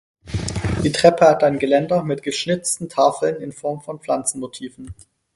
Die Treppe hat ein Geländer mit geschnitzten Tafeln in Form von Pflanzenmotiven.